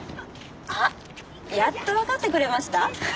あっやっとわかってくれました？